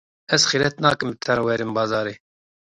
Ez xîret nakim bi te re werim bazarê.